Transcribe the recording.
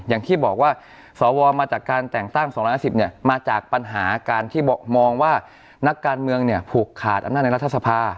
อย่างที่บอกว่าสวมาจากการแต่งตั้ง๒๕๐เนี่ยมาจากปัญหาการที่มองว่านักการเมืองเนี่ยผูกขาดอำนาจในรัฐสภา